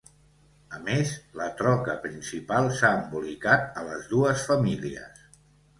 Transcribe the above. A més, la troca principal s'ha embolicat a les dues famílies.